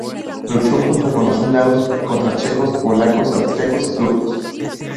Luchó junto con los húngaros contra checos, polacos, austriacos y turcos.